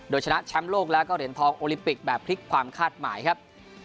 โดยชนะแชมป์โลกแล้วก็เหรียญทองโอลิมปิกแบบพลิกความคาดหมายครับ